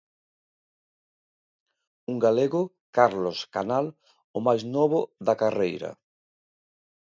Un galego, Carlos Canal, o máis novo da carreira.